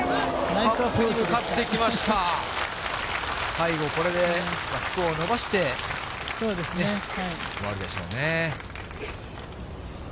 最後、これでスコアを伸ばして終わるでしょうね。